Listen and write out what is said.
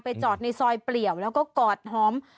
จอดในซอยเปลี่ยวแล้วก็กอดหอม